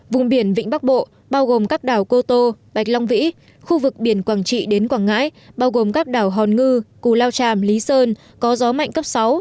vùng biển vĩnh bắc bộ bao gồm các đảo cô tô bạch long vĩ khu vực biển quảng trị đến quảng ngãi bao gồm các đảo hòn ngư cù lao tràm lý sơn có gió mạnh cấp sáu